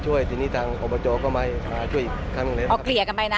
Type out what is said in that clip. ส่วนครับส่วนของเอกชัยก็ลงมาช่วยที่นี่ทางอบจอ๋อเกลี่ยกันไปนะ